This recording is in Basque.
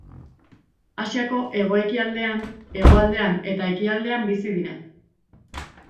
Asiako hego-ekialdean, hegoaldean eta ekialdean bizi dira.